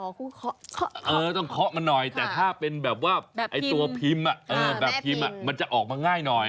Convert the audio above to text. อ๋อคุณเคาะเออต้องเคาะมันหน่อยแต่ถ้าเป็นแบบว่าแบบพิมพ์แบบพิมพ์มันจะออกมาง่ายหน่อย